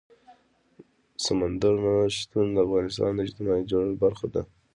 سمندر نه شتون د افغانستان د اجتماعي جوړښت برخه ده.